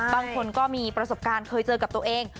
ก็มีประสบการณ์เคยเจอกับตัวเอง